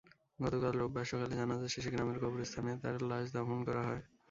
গতকাল রোববার সকালে জানাজা শেষে গ্রামের কবরস্থানে তাঁর লাশ দাফন করা হয়।